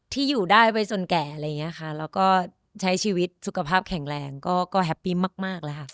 ที่อยู่ได้ไปจนแก่แล้วก็ใช้ชีวิตสุขภาพแข็งแรงก็แฮปปี้มาก